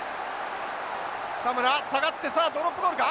田村下がってさあドロップゴールか。